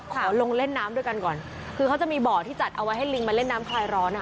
ขอลงเล่นน้ำด้วยกันก่อนคือเขาจะมีบ่อที่จัดเอาไว้ให้ลิงมาเล่นน้ำคลายร้อนอ่ะ